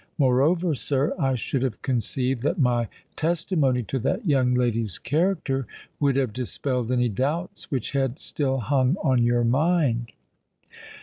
Moreover, sir, I should have conceived that my testimony to that young lady's character would have dispelled any doubts which had still hung on your mind."